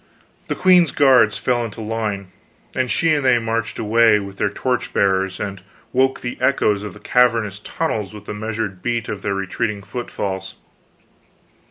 The queen's guards fell into line, and she and they marched away, with their torch bearers, and woke the echoes of the cavernous tunnels with the measured beat of their retreating footfalls.